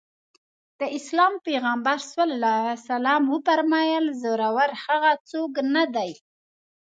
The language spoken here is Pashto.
د اسلام پيغمبر ص وفرمايل زورور هغه څوک نه دی.